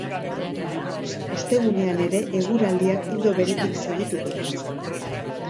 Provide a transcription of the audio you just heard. Ostegunean ere, eguraldiak ildo beretik segituko du.